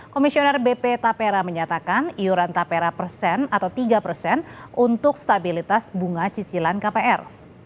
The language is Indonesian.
komisioner bp tapera menyatakan iuran tapera persen atau tiga persen untuk stabilitas bunga cicilan kpr